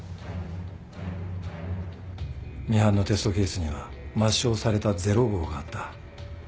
ミハンのテストケースには抹消されたゼロ号があった。